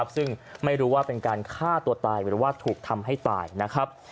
ซึ่งไม่รู้ว่าเป็นการฆ่าตัวตายหรือว่าถูกทำให้ตายนะครับ